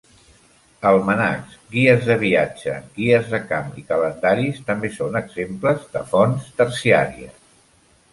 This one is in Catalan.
Almanacs, guies de viatge, guies de camp i calendaris també són exemples de fonts terciàries.